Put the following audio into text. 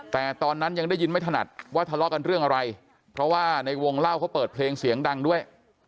แต่ตอนนั้นยังได้ยินไม่ถนัดว่าทะเลาะกันเรื่องอะไรเพราะว่าในวงเล่าเขาเปิดเพลงเสียงดังด้วย